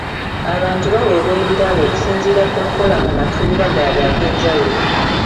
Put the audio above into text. Abantu baweebwa ebirabo okusinzira ku nkola mu matuluba gaabwe eg'enjawulo.